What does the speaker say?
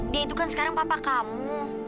dia itu kan sekarang papa kamu